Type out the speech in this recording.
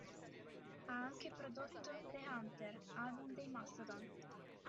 Ha anche prodotto "The Hunter" album dei Mastodon